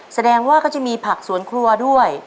แสดงว่าก็จะมีผักสวนครัวด้วย